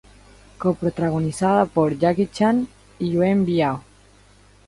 Coprotagonizada por Jackie Chan y Yuen Biao.